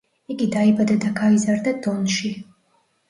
იგი დაიბადა და გაიზარდა დონში.